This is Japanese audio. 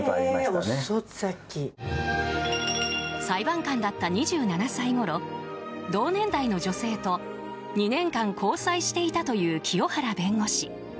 裁判官だった２７歳ごろ同年代の女性と２年間交際していたという清原弁護士。